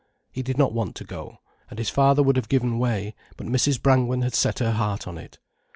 He did not want to go, and his father would have given way, but Mrs. Brangwen had set her heart on it.